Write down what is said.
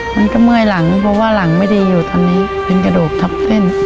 มันก็เมื่อยหลังเพราะว่าหลังไม่ดีอยู่ตอนนี้เป็นกระดูกทับเส้น